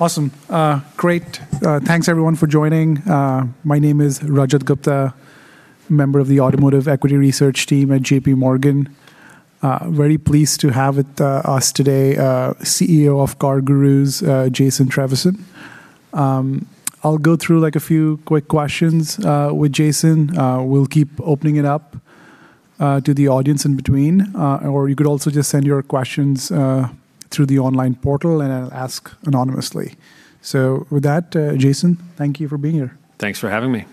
Awesome. Great. Thanks everyone for joining. My name is Rajat Gupta, member of the Automotive Equity Research team at JPMorgan. Very pleased to have with us today, CEO of CarGurus, Jason Trevisan. I'll go through, like, a few quick questions with Jason. We'll keep opening it up to the audience in between. You could also just send your questions through the online portal, and I'll ask anonymously. With that, Jason, thank you for being here. Thanks for having me.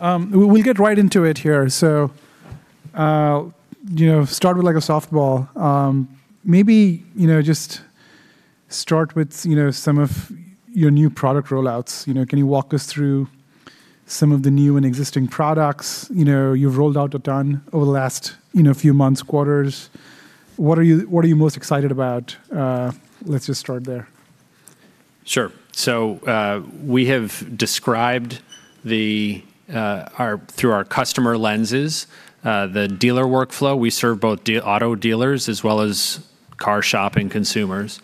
We'll get right into it here. You know, start with, like, a softball. Maybe, you know, just start with, you know, some of your new product rollouts. You know, can you walk us through some of the new and existing products? You know, you've rolled out a ton over the last, you know, few months, quarters. What are you most excited about? Let's just start there. Sure. We have described the, our, through our customer lenses, the dealer workflow. We serve both auto dealers as well as car shopping consumers.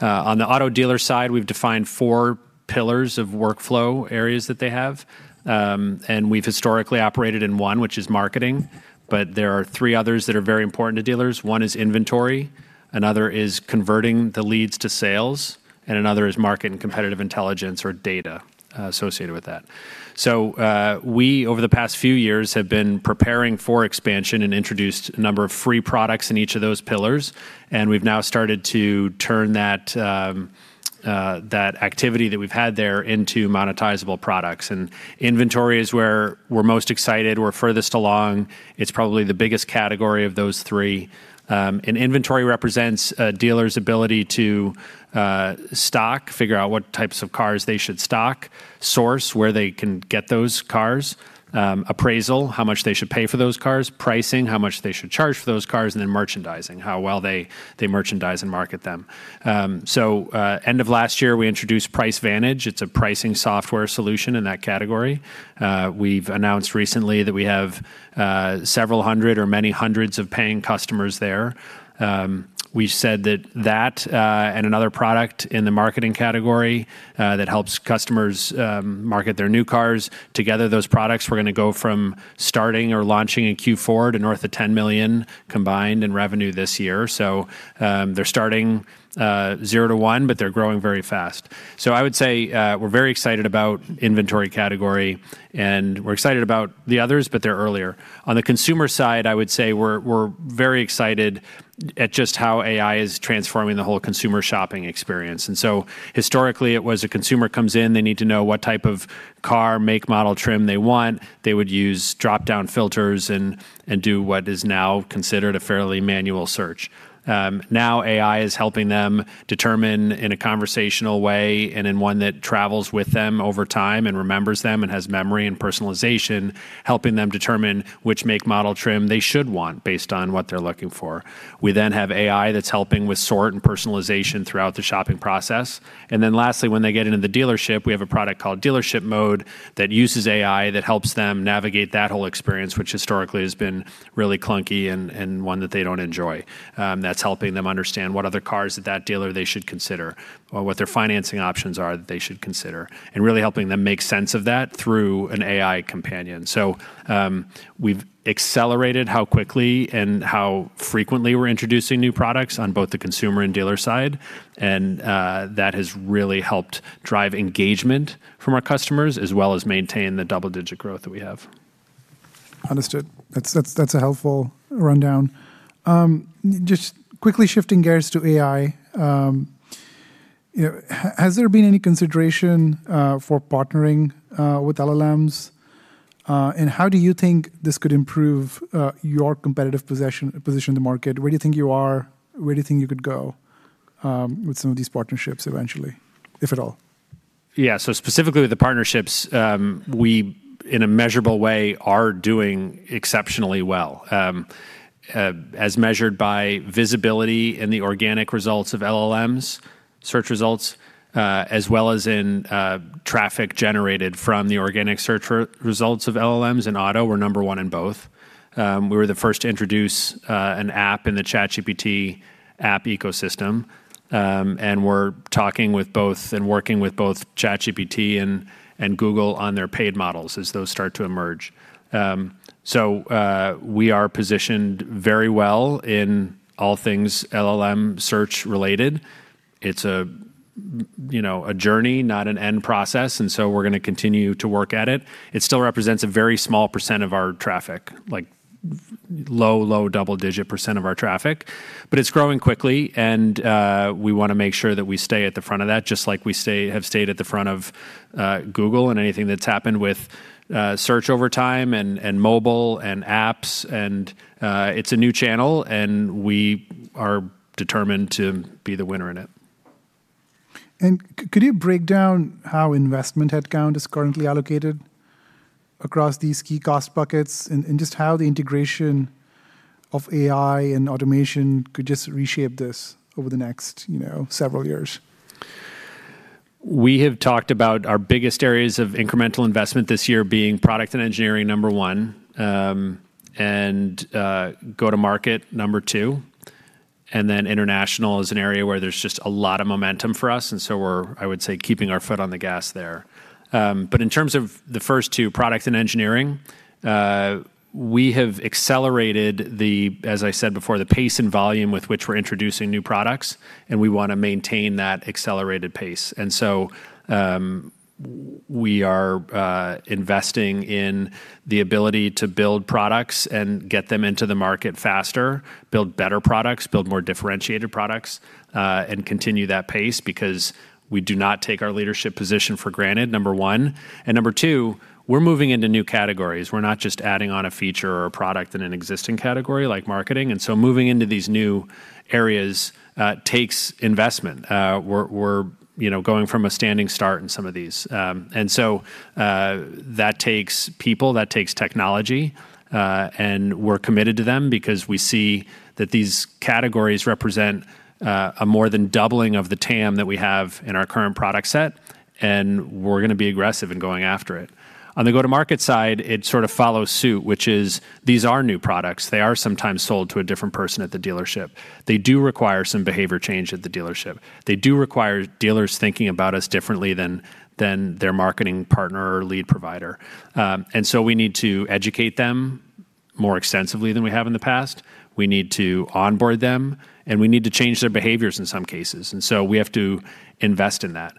On the auto dealer side, we've defined four pillars of workflow areas that they have. We've historically operated in one, which is marketing, but there are three others that are very important to dealers. One is inventory, another is converting the leads to sales, and another is market and competitive intelligence or data associated with that. We, over the past few years, have been preparing for expansion and introduced a number of free products in each of those pillars, and we've now started to turn that activity that we've had there into monetizable products. Inventory is where we're most excited. We're furthest along. It's probably the biggest category of those three. Inventory represents a dealer's ability to stock, figure out what types of cars they should stock, source, where they can get those cars, appraisal, how much they should pay for those cars, pricing, how much they should charge for those cars, and then merchandising, how well they merchandise and market them. End of last year, we introduced PriceVantage. It's a pricing software solution in that category. We've announced recently that we have several hundred or many hundreds of paying customers there. We've said that that and another product in the marketing category that helps customers market their new cars, together those products were going to go from starting or launching in Q4 to north of $10 million combined in revenue this year. They're starting zero to one, but they're growing very fast. I would say, we're very excited about inventory category, and we're excited about the others, but they're earlier. On the consumer side, I would say we're very excited at just how AI is transforming the whole consumer shopping experience. Historically, it was a consumer comes in, they need to know what type of car, make, model, trim they want. They would use dropdown filters and do what is now considered a fairly manual search. Now AI is helping them determine in a conversational way and in one that travels with them over time and remembers them and has memory and personalization, helping them determine which make, model, trim they should want based on what they're looking for. We have AI that's helping with sort and personalization throughout the shopping process. Lastly, when they get into the dealership, we have a product called Dealership Mode that uses AI that helps them navigate that whole experience, which historically has been really clunky and one that they don't enjoy. That's helping them understand what other cars at that dealer they should consider or what their financing options are that they should consider, and really helping them make sense of that through an AI companion. We've accelerated how quickly and how frequently we're introducing new products on both the consumer and dealer side, and that has really helped drive engagement from our customers as well as maintain the double-digit growth that we have. Understood. That's a helpful rundown. Just quickly shifting gears to AI, you know, has there been any consideration for partnering with LLMs? How do you think this could improve your competitive position in the market? Where do you think you are? Where do you think you could go with some of these partnerships eventually, if at all? Yeah. Specifically with the partnerships, we, in a measurable way, are doing exceptionally well, as measured by visibility in the organic results of LLMs, search results, as well as in traffic generated from the organic search results of LLMs and auto. We're number one in both. We were the first to introduce an app in the ChatGPT app ecosystem, and we're talking with both and working with both ChatGPT and Google on their paid models as those start to emerge. We are positioned very well in all things LLM search related. It's a, you know, a journey, not an end process, we're gonna continue to work at it. It still represents a very small % of our traffic, like low, low double-digit % of our traffic, but it's growing quickly and we wanna make sure that we stay at the front of that, just like we stay, have stayed at the front of Google and anything that's happened with search over time and mobile and apps and it's a new channel, and we are determined to be the winner in it. Could you break down how investment headcount is currently allocated across these key cost buckets and just how the integration of AI and automation could just reshape this over the next, you know, several years? We have talked about our biggest areas of incremental investment this year being product and engineering, number one, and go-to-market, number two. International is an area where there's just a lot of momentum for us, we're, I would say, keeping our foot on the gas there. But in terms of the first two, product and engineering, we have accelerated the, as I said before, the pace and volume with which we're introducing new products, and we wanna maintain that accelerated pace. We are investing in the ability to build products and get them into the market faster, build better products, build more differentiated products, and continue that pace because we do not take our leadership position for granted, number one. Number two, we're moving into new categories. We're not just adding on a feature or a product in an existing category like marketing. Moving into these new areas, takes investment. We're, you know, going from a standing start in some of these. That takes people, that takes technology, and we're committed to them because we see that these categories represent a more than doubling of the TAM that we have in our current product set, and we're gonna be aggressive in going after it. On the go-to-market side, it sort of follows suit, which is these are new products. They are sometimes sold to a different person at the dealership. They do require some behavior change at the dealership. They do require dealers thinking about us differently than their marketing partner or lead provider. We need to educate them more extensively than we have in the past. We need to onboard them, and we need to change their behaviors in some cases. We have to invest in that.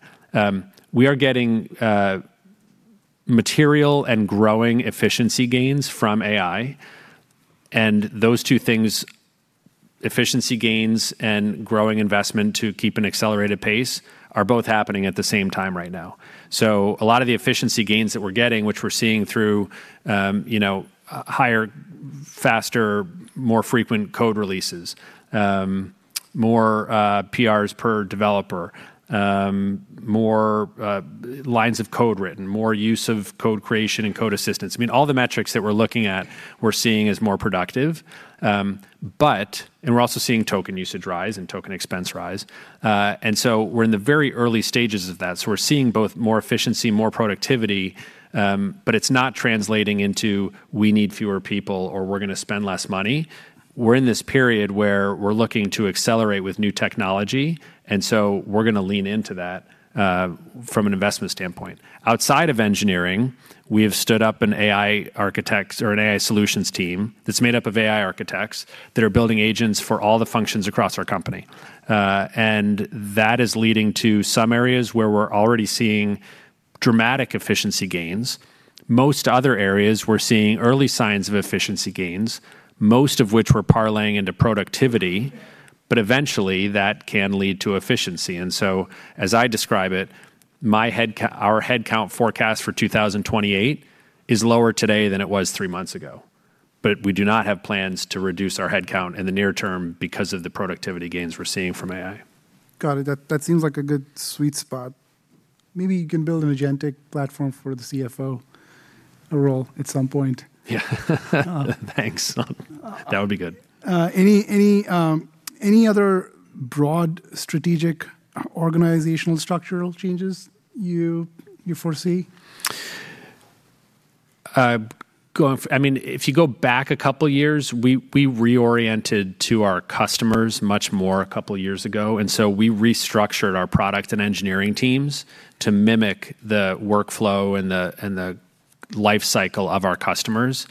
We are getting material and growing efficiency gains from AI, and those two things, efficiency gains and growing investment to keep an accelerated pace, are both happening at the same time right now. A lot of the efficiency gains that we're getting, which we're seeing through, you know, higher, faster, more frequent code releases, more PRs per developer, more lines of code written, more use of code creation and code assistance. I mean, all the metrics that we're looking at, we're seeing as more productive. We're also seeing token usage rise and token expense rise. We're in the very early stages of that. We're seeing both more efficiency, more productivity, it's not translating into we need fewer people or we're going to spend less money. We're in this period where we're looking to accelerate with new technology, we're going to lean into that from an investment standpoint. Outside of engineering, we have stood up an AI architects or an AI solutions team that's made up of AI architects that are building agents for all the functions across our company. That is leading to some areas where we're already seeing dramatic efficiency gains. Most other areas, we're seeing early signs of efficiency gains, most of which we're parlaying into productivity, eventually that can lead to efficiency. As I describe it, our headcount forecast for 2028 is lower today than it was three months ago. We do not have plans to reduce our headcount in the near term because of the productivity gains we're seeing from AI. Got it. That, that seems like a good sweet spot. Maybe you can build an agentic platform for the CFO role at some point. Yeah. Thanks. That would be good. Any other broad strategic organizational structural changes you foresee? I mean, if you go back a couple years, we reoriented to our customers much more a couple years ago, we restructured our product and engineering teams to mimic the workflow and the life cycle of our customers.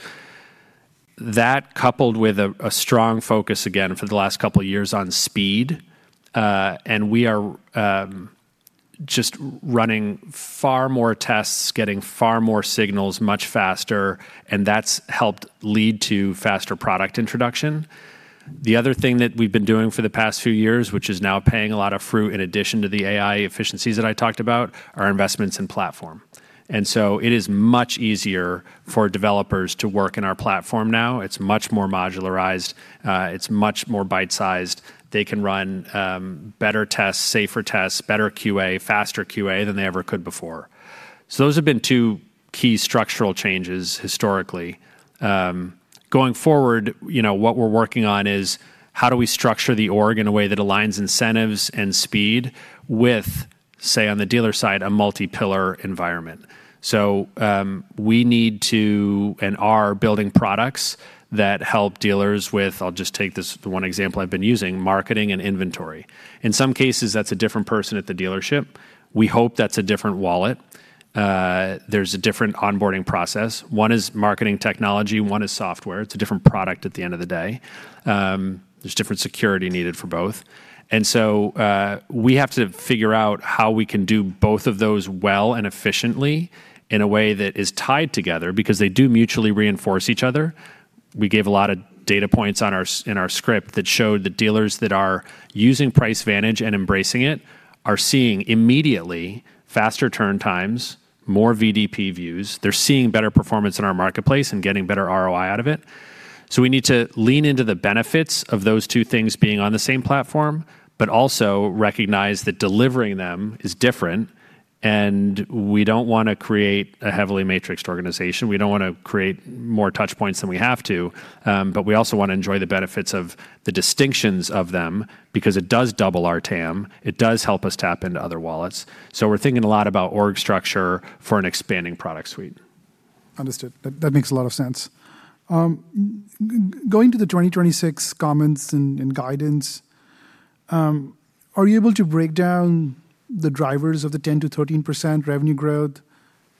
That coupled with a strong focus again for the last couple years on speed, we are just running far more tests, getting far more signals much faster, and that's helped lead to faster product introduction. The other thing that we've been doing for the past few years, which is now paying a lot of fruit in addition to the AI efficiencies that I talked about, are investments in platform. It is much easier for developers to work in our platform now. It's much more modularized. It's much more bite-sized. They can run better tests, safer tests, better QA, faster QA than they ever could before. Those have been two key structural changes historically. Going forward, you know, what we're working on is how do we structure the org in a way that aligns incentives and speed with, say, on the dealer side, a multi-pillar environment? We need to, and are, building products that help dealers with, I'll just take this one example I've been using, marketing and inventory. In some cases, that's a different person at the dealership. We hope that's a different wallet. There's a different onboarding process. One is marketing technology, one is software. It's a different product at the end of the day. There's different security needed for both. We have to figure out how we can do both of those well and efficiently in a way that is tied together because they do mutually reinforce each other. We gave a lot of data points in our script that showed the dealers that are using PriceVantage and embracing it are seeing immediately faster turn times, more VDP views. They're seeing better performance in our marketplace and getting better ROI out of it. We need to lean into the benefits of those two things being on the same platform, but also recognize that delivering them is different, and we don't wanna create a heavily matrixed organization. We don't wanna create more touch points than we have to, but we also wanna enjoy the benefits of the distinctions of them because it does double our TAM. It does help us tap into other wallets. We're thinking a lot about org structure for an expanding product suite. Understood. That makes a lot of sense. Going to the 2026 comments and guidance, are you able to break down the drivers of the 10%-13% revenue growth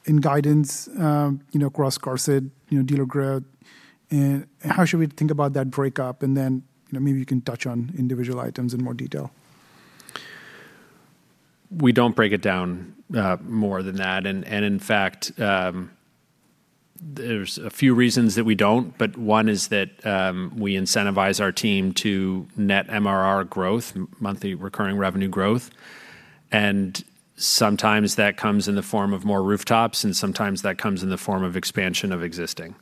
in guidance, you know, across QARSD, you know, dealer growth? How should we think about that breakup? You know, maybe you can touch on individual items in more detail. We don't break it down more than that. In fact, there's a few reasons that we don't, but one is that we incentivize our team to net MRR growth, monthly recurring revenue growth. Sometimes that comes in the form of more rooftops, and sometimes that comes in the form of expansion of existing.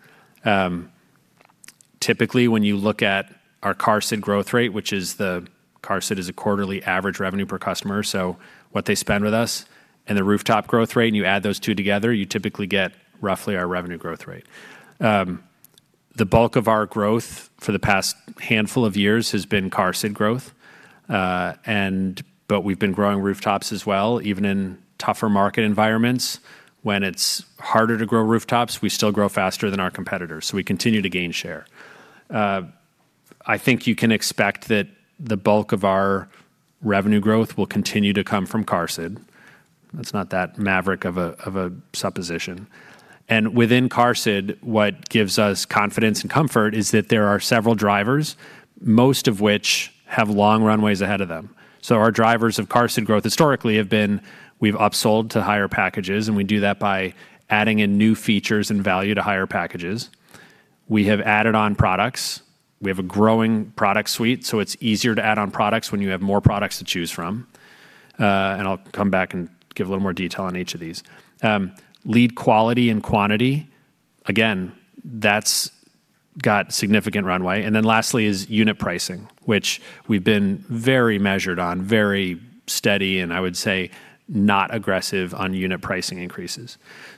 Typically, when you look at our QARSD growth rate, which is the QARSD is a quarterly average revenue per customer, so what they spend with us and the rooftop growth rate, and you add those two together, you typically get roughly our revenue growth rate. The bulk of our growth for the past handful of years has been QARSD growth. But we've been growing rooftops as well, even in tougher market environments. When it's harder to grow rooftops, we still grow faster than our competitors, so we continue to gain share. I think you can expect that the bulk of our revenue growth will continue to come from CarSID. That's not that maverick of a supposition. Within CarSID, what gives us confidence and comfort is that there are several drivers, most of which have long runways ahead of them. Our drivers of CarSID growth historically have been we've upsold to higher packages, and we do that by adding in new features and value to higher packages. We have added on products. We have a growing product suite, so it's easier to add on products when you have more products to choose from. I'll come back and give a little more detail on each of these. Lead quality and quantity, again, that's got significant runway. Lastly is unit pricing, which we've been very measured on, very steady, and I would say not aggressive on unit pricing increases.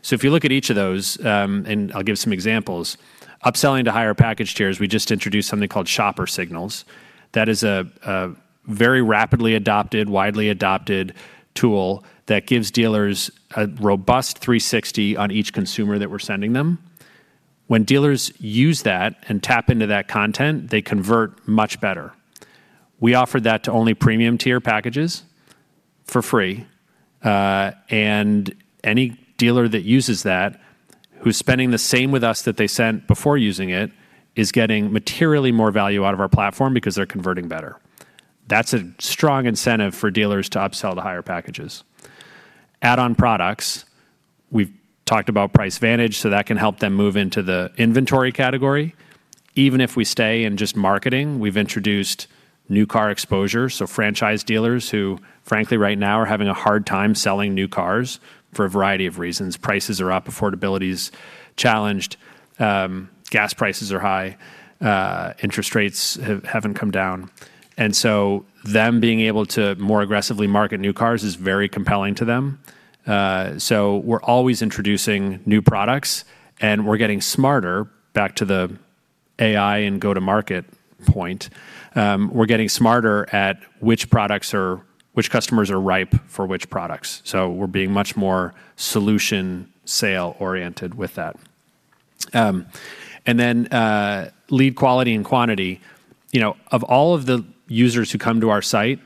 If you look at each of those, and I'll give some examples. Upselling to higher package tiers, we just introduced something called Shopper Signals. That is a very rapidly adopted, widely adopted tool that gives dealers a robust 360 on each consumer that we're sending them. When dealers use that and tap into that content, they convert much better. We offer that to only premium tier packages for free. Any dealer that uses that, who's spending the same with us that they spent before using it, is getting materially more value out of our platform because they're converting better. That's a strong incentive for dealers to upsell to higher packages. Add-on products. We've talked about PriceVantage, so that can help them move into the inventory category. Even if we stay in just marketing, we've introduced new car exposure, so franchise dealers who frankly right now are having a hard time selling new cars for a variety of reasons. Prices are up, affordability is challenged, gas prices are high, interest rates haven't come down. Them being able to more aggressively market new cars is very compelling to them. We're always introducing new products, and we're getting smarter, back to the AI and go-to-market point, we're getting smarter at which products are which customers are ripe for which products. We're being much more solution sale oriented with that. Lead quality and quantity. You know, of all of the users who come to our site,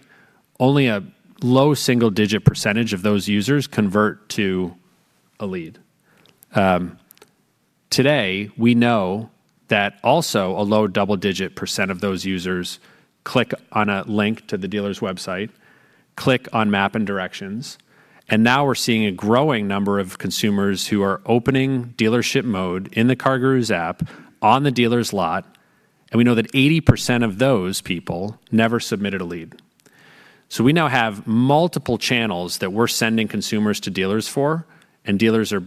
only a low single-digit % of those users convert to a lead. Today, we know that also a low double-digit % of those users click on a link to the dealer's website, click on map and directions, and now we're seeing a growing number of consumers who are opening Dealership Mode in the CarGurus app on the dealer's lot, and we know that 80% of those people never submitted a lead. We now have multiple channels that we're sending consumers to dealers for, and dealers are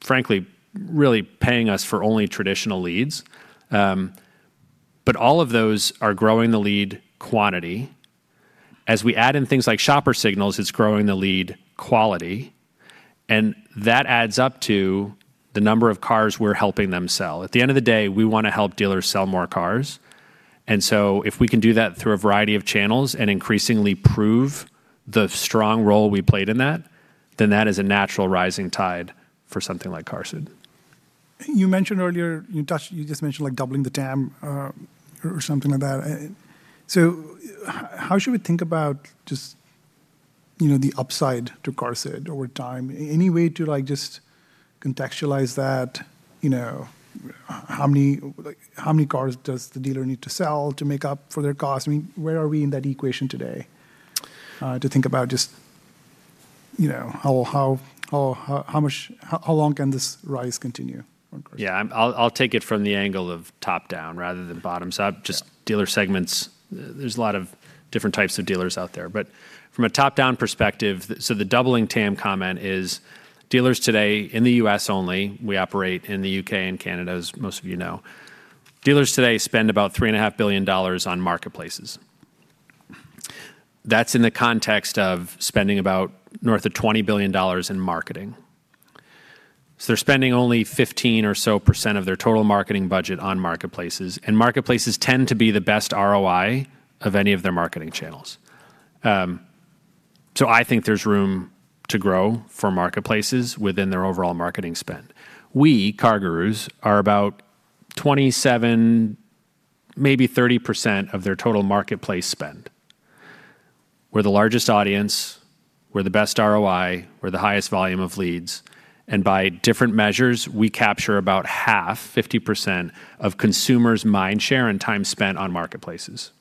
frankly really paying us for only traditional leads. All of those are growing the lead quantity. As we add in things like Shopper Signals, it's growing the lead quality, and that adds up to the number of cars we're helping them sell. At the end of the day, we wanna help dealers sell more cars. If we can do that through a variety of channels and increasingly prove the strong role we played in that, then that is a natural rising tide for something like CarSID. You mentioned earlier, you just mentioned like doubling the TAM, or something like that. How should we think about just, you know, the upside to QARSD over time? Any way to like just contextualize that? You know, how many, like how many cars does the dealer need to sell to make up for their cost? I mean, where are we in that equation today, to think about just, you know, how much how long can this rise continue for QARSD? Yeah. I'll take it from the angle of top-down rather than bottom-up. Yeah. Just dealer segments. There's a lot of different types of dealers out there. From a top-down perspective, the doubling TAM comment is dealers today in the U.S. only, we operate in the U.K. and Canada, as most of you know. Dealers today spend about $3.5 billion on marketplaces. That's in the context of spending about north of $20 billion in marketing. They're spending only 15% or so of their total marketing budget on marketplaces, and marketplaces tend to be the best ROI of any of their marketing channels. I think there's room to grow for marketplaces within their overall marketing spend. We, CarGurus, are about 27%, maybe 30% of their total marketplace spend. We're the largest audience, we're the best ROI, we're the highest volume of leads. By different measures, we capture about half, 50%, of consumers' mind share and time spent on marketplaces.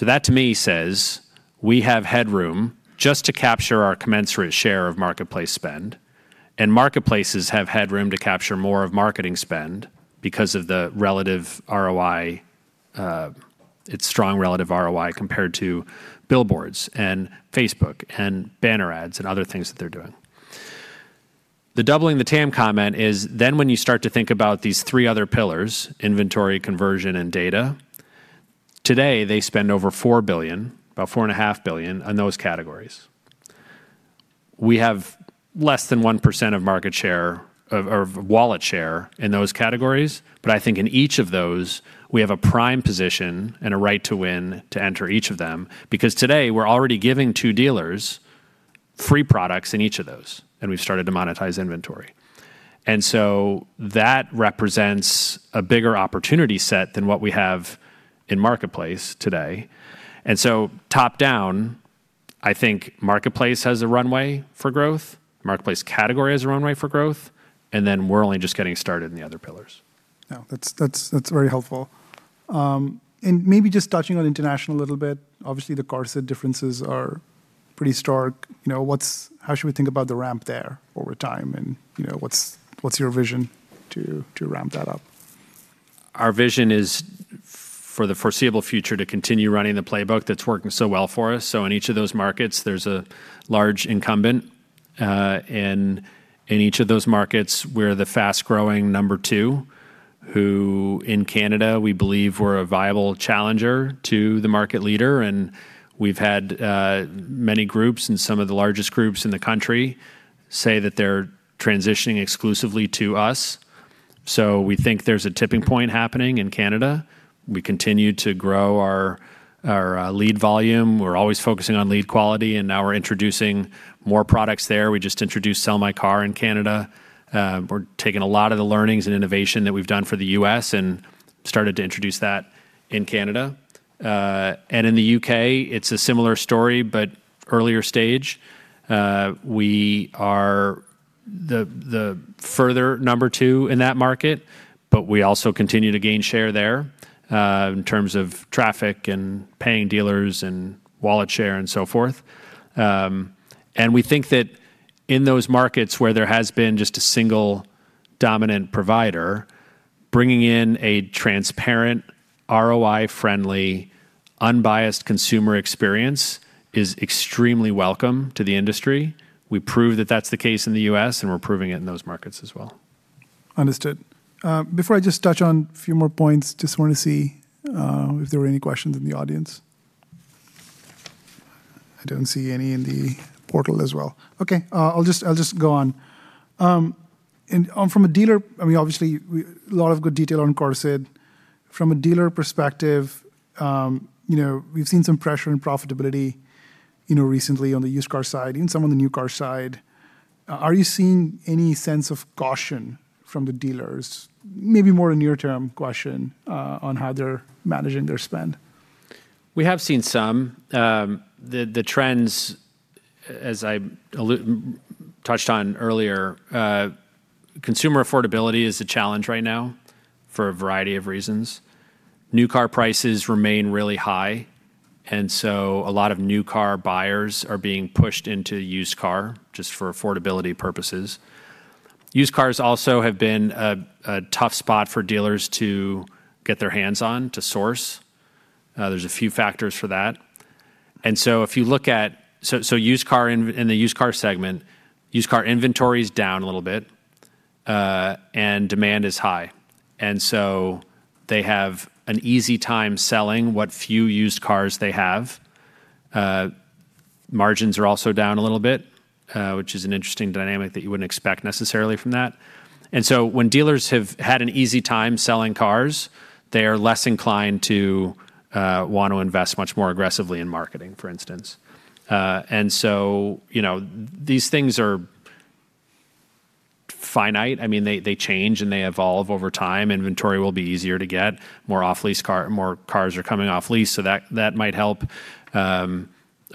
That to me says, we have headroom just to capture our commensurate share of marketplace spend. Marketplaces have headroom to capture more of marketing spend because of the relative ROI, its strong relative ROI compared to billboards and Facebook and banner ads and other things that they're doing. The doubling the TAM comment is when you start to think about these three other pillars, inventory, conversion, and data. Today they spend over $4 billion, about $4.5 billion on those categories. We have less than 1% of market share or wallet share in those categories. I think in each of those, we have a prime position and a right to win to enter each of them, because today we're already giving two dealers free products in each of those, and we've started to monetize inventory. That represents a bigger opportunity set than what we have in marketplace today. Top-down, I think marketplace has a runway for growth, marketplace category has a runway for growth, and then we're only just getting started in the other pillars. Yeah. That's very helpful. Maybe just touching on international a little bit. Obviously, the car set differences are pretty stark. You know, how should we think about the ramp there over time? You know, what's your vision to ramp that up? Our vision is for the foreseeable future to continue running the playbook that's working so well for us. In each of those markets, there's a large incumbent, and in each of those markets, we're the fast-growing number two, who in Canada, we believe we're a viable challenger to the market leader. We've had many groups and some of the largest groups in the country say that they're transitioning exclusively to us. We think there's a tipping point happening in Canada. We continue to grow our lead volume. We're always focusing on lead quality, and now we're introducing more products there. We just introduced Sell My Car in Canada. We're taking a lot of the learnings and innovation that we've done for the U.S. and started to introduce that in Canada. In the U.K., it's a similar story, but earlier stage. We are the further number two in that market, but we also continue to gain share there, in terms of traffic and paying dealers and wallet share and so forth. We think that in those markets where there has been just a single dominant provider, bringing in a transparent, ROI-friendly, unbiased consumer experience is extremely welcome to the industry. We prove that that's the case in the U.S., and we're proving it in those markets as well. Understood. Before I just touch on a few more points, just wanna see if there were any questions in the audience. I don't see any in the portal as well. Okay. I'll just go on. I mean, lot of good detail on QARSD. From a dealer perspective, you know, we've seen some pressure in profitability, you know, recently on the used car side, even some on the new car side. Are you seeing any sense of caution from the dealers? Maybe more a near term question on how they're managing their spend. We have seen some. The trends, as I touched on earlier, consumer affordability is a challenge right now for a variety of reasons. New car prices remain really high, a lot of new car buyers are being pushed into used car just for affordability purposes. Used cars also have been a tough spot for dealers to get their hands on to source. There's a few factors for that. If you look at the used car segment, used car inventory is down a little bit, demand is high. They have an easy time selling what few used cars they have. Margins are also down a little bit, which is an interesting dynamic that you wouldn't expect necessarily from that. When dealers have had an easy time selling cars, they are less inclined to want to invest much more aggressively in marketing, for instance. You know, these things are finite. I mean, they change, and they evolve over time. Inventory will be easier to get. More off-lease more cars are coming off lease, so that might help.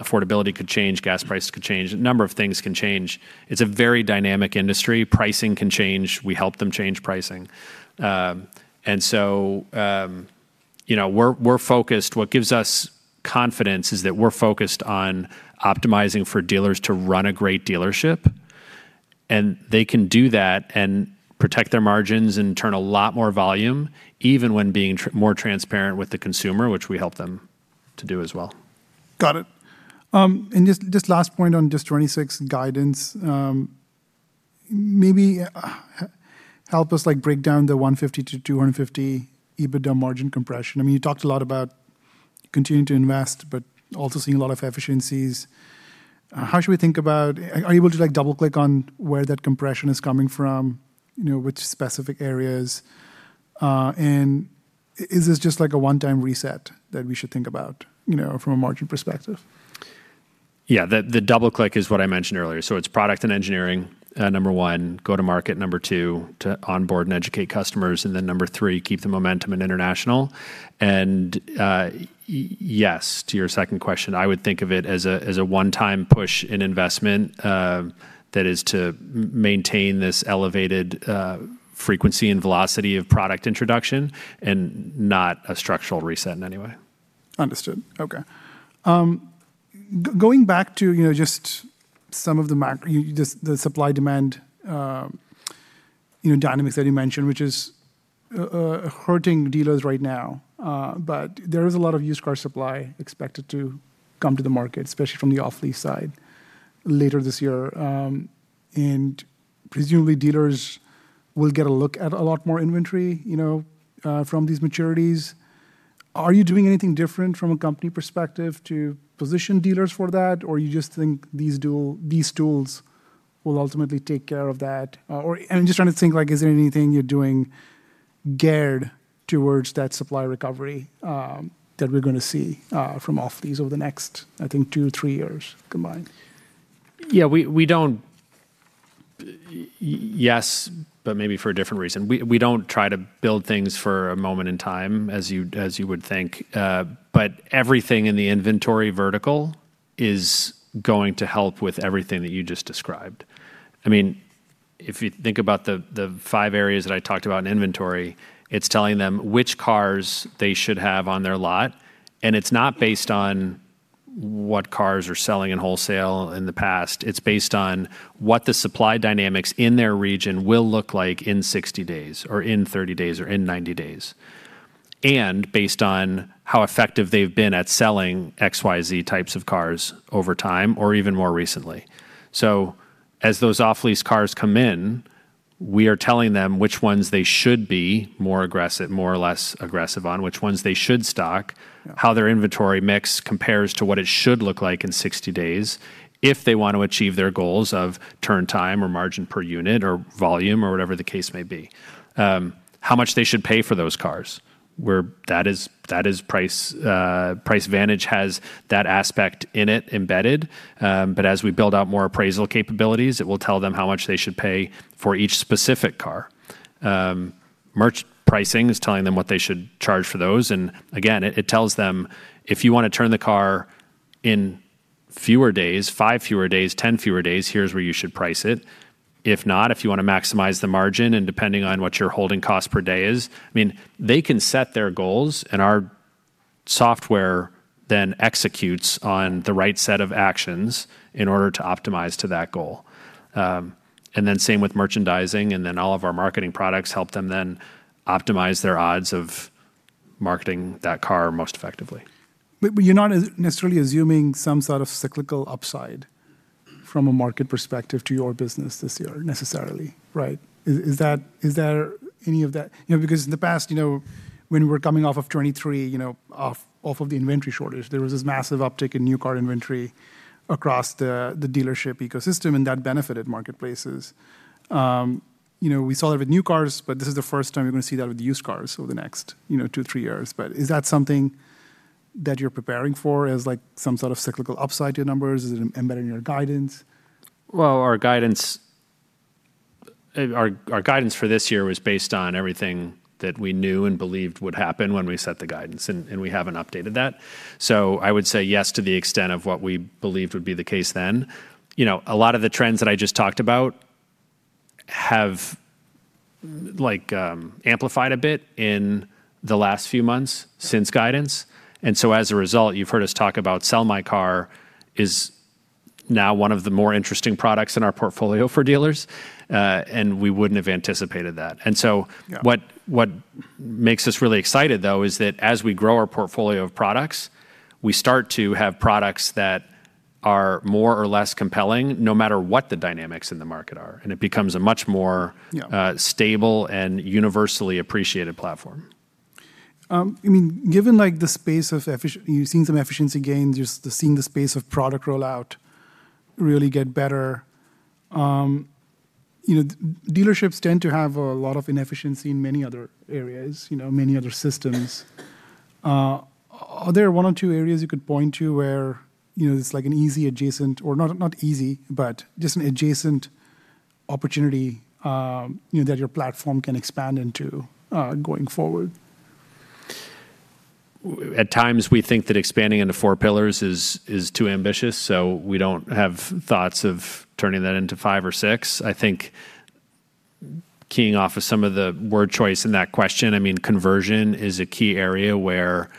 Affordability could change, gas prices could change. A number of things can change. It's a very dynamic industry. Pricing can change. We help them change pricing. You know, we're focused. What gives us confidence is that we're focused on optimizing for dealers to run a great dealership, and they can do that and protect their margins and turn a lot more volume, even when being more transparent with the consumer, which we help them to do as well. Got it. Just last point on 2026 guidance. Maybe help us like break down the 150 to 250 EBITDA margin compression. I mean, you talked a lot about continuing to invest, also seeing a lot of efficiencies. Are you able to, like, double-click on where that compression is coming from? You know, which specific areas? Is this just like a one-time reset that we should think about, you know, from a margin perspective? Yeah, the double click is what I mentioned earlier. It's product and engineering, number one, go to market number two to onboard and educate customers, number three, keep the momentum in international. Yes, to your second question, I would think of it as a one-time push in investment that is to maintain this elevated frequency and velocity of product introduction and not a structural reset in any way. Understood. Okay. Going back to, you know, just the supply-demand, you know, dynamics that you mentioned, which is hurting dealers right now. There is a lot of used car supply expected to come to the market, especially from the off-lease side later this year. Presumably dealers will get a look at a lot more inventory, you know, from these maturities. Are you doing anything different from a company perspective to position dealers for that? Or you just think these tools will ultimately take care of that? I'm just trying to think like, is there anything you're doing geared towards that supply recovery, that we're gonna see, from off-lease over the next, I think, two, three years combined? Yeah, we don't, but maybe for a different reason. We don't try to build things for a moment in time as you would think. Everything in the inventory vertical is going to help with everything that you just described. I mean, if you think about the five areas that I talked about in inventory, it's telling them which cars they should have on their lot, it's not based on what cars are selling in wholesale in the past. It's based on what the supply dynamics in their region will look like in 60 days or in 30 days or in 90 days. Based on how effective they've been at selling XYZ types of cars over time or even more recently. As those off-lease cars come in, we are telling them which ones they should be more aggressive, more or less aggressive on, which ones they should stock. Yeah. How their inventory mix compares to what it should look like in 60 days if they want to achieve their goals of turn time or margin per unit or volume or whatever the case may be. How much they should pay for those cars, where that is, that is price, PriceVantage has that aspect in it embedded. But as we build out more appraisal capabilities, it will tell them how much they should pay for each specific car. Merch pricing is telling them what they should charge for those. Again, it tells them if you want to turn the car in fewer days, 5 fewer days, 10 fewer days, here's where you should price it. If not, if you wanna maximize the margin and depending on what your holding cost per day is, I mean, they can set their goals and our software then executes on the right set of actions in order to optimize to that goal. Same with merchandising, and then all of our marketing products help them then optimize their odds of marketing that car most effectively. You're not necessarily assuming some sort of cyclical upside from a market perspective to your business this year necessarily, right? Is there any of that? You know, because in the past, you know, when we're coming off of 2023, you know, off of the inventory shortage, there was this massive uptick in new car inventory across the dealership ecosystem, and that benefited marketplaces. You know, we saw that with new cars, but this is the first time we're gonna see that with used cars over the next, you know, two, three years. Is that something that you're preparing for as like some sort of cyclical upside to your numbers? Is it embedded in your guidance? Well, our guidance for this year was based on everything that we knew and believed would happen when we set the guidance, and we haven't updated that. I would say yes to the extent of what we believed would be the case then. You know, a lot of the trends that I just talked about have like, amplified a bit in the last few months since guidance. As a result, you've heard us talk about Sell My Car is now one of the more interesting products in our portfolio for dealers, and we wouldn't have anticipated that. Yeah. What makes us really excited, though, is that as we grow our portfolio of products, we start to have products that are more or less compelling no matter what the dynamics in the market are, and it becomes a much more- Yeah. Stable and universally appreciated platform. I mean, given like the space of you're seeing some efficiency gains, you're seeing the space of product rollout really get better, you know, dealerships tend to have a lot of inefficiency in many other areas, you know, many other systems. Are there one or two areas you could point to where, you know, it's like an easy adjacent or not easy, but just an adjacent opportunity, you know, that your platform can expand into going forward? At times, we think that expanding into four pillars is too ambitious, so we don't have thoughts of turning that into five or six. I think keying off of some of the word choice in that question, I mean, conversion is a key area where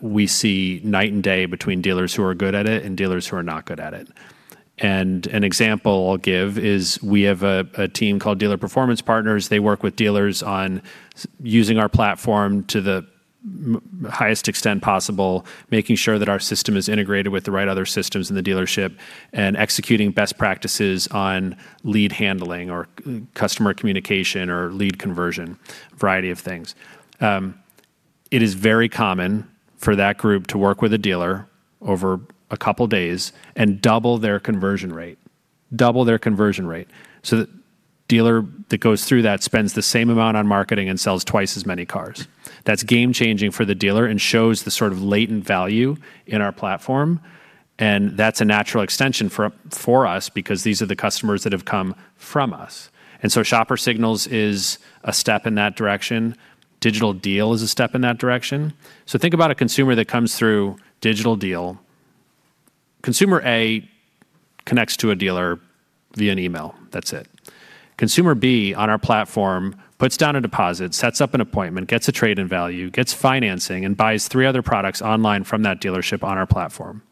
we see night and day between dealers who are good at it and dealers who are not good at it. An example I'll give is we have a team called Dealer Performance Partners. They work with dealers on using our platform to the highest extent possible, making sure that our system is integrated with the right other systems in the dealership, and executing best practices on lead handling or customer communication or lead conversion, variety of things. It is very common for that group to work with a dealer over a couple days and double their conversion rate. Double their conversion rate. The dealer that goes through that spends the same amount on marketing and sells twice as many cars. That's game-changing for the dealer and shows the sort of latent value in our platform, and that's a natural extension for us because these are the customers that have come from us. Shopper Signals is a step in that direction. Digital Deal is a step in that direction. Think about a consumer that comes through Digital Deal. Consumer A connects to a dealer via an email. That's it. Consumer B on our platform puts down a deposit, sets up an appointment, gets a trade-in value, gets financing, and buys three other products online from that dealership on our platform.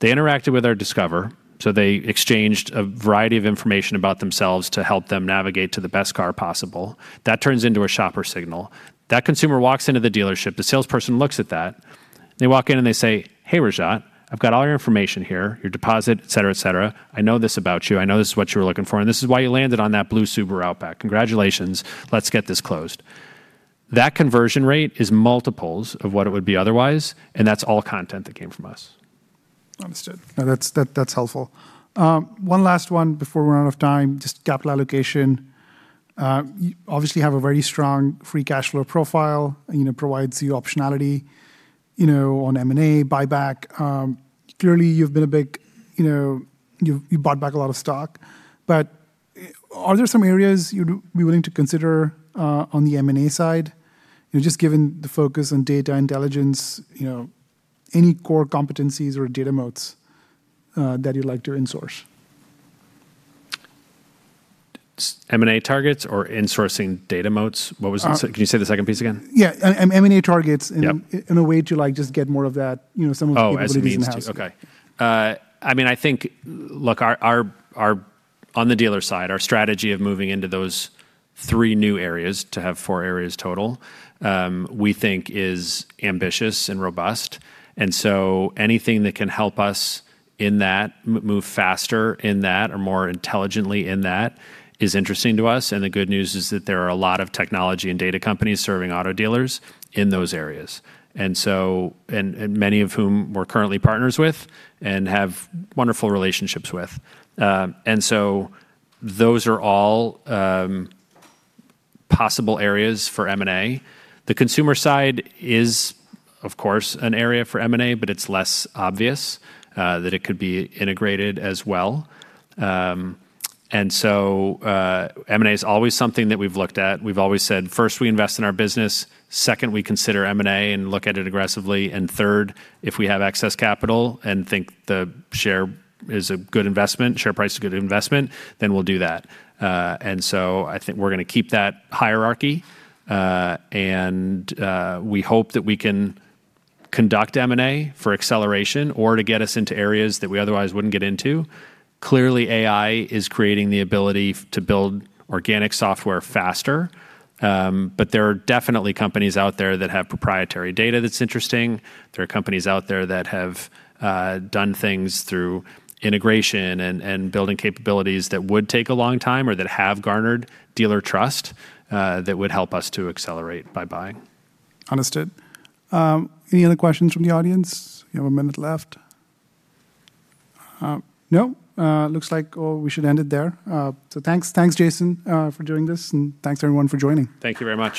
They interacted with our Discover, so they exchanged a variety of information about themselves to help them navigate to the best car possible. That turns into a Shopper Signal. That consumer walks into the dealership, the salesperson looks at that, they walk in and they say, "Hey, Rajat, I've got all your information here, your deposit, et cetera, et cetera. I know this about you. I know this is what you were looking for, and this is why you landed on that blue Subaru Outback. Congratulations. Let's get this closed." That conversion rate is multiples of what it would be otherwise, and that's all content that came from us. Understood. No, that's helpful. One last one before we run out of time, just capital allocation. Obviously you have a very strong free cash flow profile and, you know, provides you optionality, you know, on M&A, buyback. Clearly you've been a big, you know, you bought back a lot of stock. Are there some areas you'd be willing to consider on the M&A side? You know, just given the focus on data intelligence, you know, any core competencies or data moats that you'd like to insource? M&A targets or insourcing data moats? Can you say the second piece again? Yeah. M&A targets. Yep A way to, like, just get more of that, you know, some of those capabilities in-house. As a means to. Okay. I mean, I think, look, our On the dealer side, our strategy of moving into those three new areas to have four areas total, we think is ambitious and robust. Anything that can help us in that, move faster in that or more intelligently in that is interesting to us. The good news is that there are a lot of technology and data companies serving auto dealers in those areas. Many of whom we're currently partners with and have wonderful relationships with. Those are all possible areas for M&A. The consumer side is, of course, an area for M&A, but it's less obvious that it could be integrated as well. M&A is always something that we've looked at. We've always said, first, we invest in our business, second, we consider M&A and look at it aggressively, and third, if we have excess capital and think the share is a good investment, share price is a good investment, then we'll do that. I think we're gonna keep that hierarchy, and we hope that we can conduct M&A for acceleration or to get us into areas that we otherwise wouldn't get into. Clearly, AI is creating the ability to build organic software faster, but there are definitely companies out there that have proprietary data that's interesting. There are companies out there that have done things through integration and building capabilities that would take a long time or that have garnered dealer trust that would help us to accelerate by buying. Understood. Any other questions from the audience? You have one minute left. No? Looks like we should end it there. Thanks. Thanks, Jason, for doing this, and thanks everyone for joining. Thank you very much.